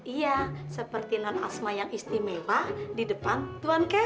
iya seperti non asma yang istimewa di depan tuhan